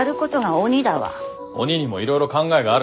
鬼にもいろいろ考えがあるんですよ。